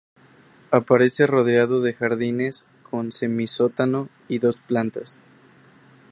Aparece rodeado de jardines, con semisótano y dos plantas.